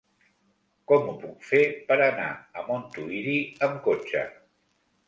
Com ho puc fer per anar a Montuïri amb cotxe?